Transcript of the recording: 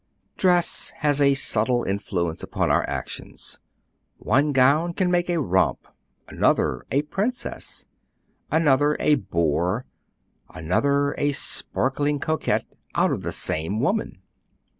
Dress has a subtile influence upon our actions: one gown can make a romp, another a princess, another a boor, another a sparkling coquette, out of the same woman.